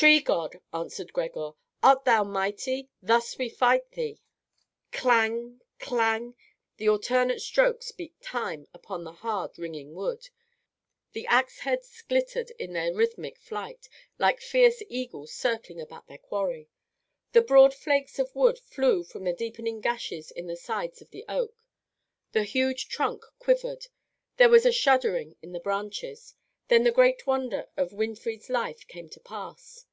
"Tree god!" answered Gregor, "art thou mighty? Thus we fight thee!" Clang! clang! the alternate strokes beat time upon the hard, ringing wood. The axe heads glittered in their rhythmic flight, like fierce eagles circling about their quarry. The broad flakes of wood flew from the deepening gashes in the sides of the oak. The huge trunk quivered. There was a shuddering in the branches. Then the great wonder of Winfried's life came to pass.